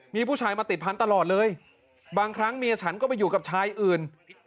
มีผู้ชายมาติดพันธุ์ตลอดเลยบางครั้งเมียฉันก็ไปอยู่กับชายอื่น